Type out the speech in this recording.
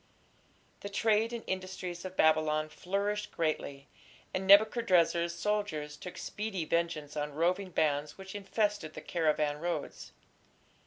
The trade and industries of Babylon flourished greatly, and Nebuchadrezzar's soldiers took speedy vengeance on roving bands which infested the caravan roads.